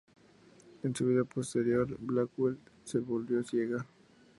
En su vida posterior, Blackwell se volvió ciega.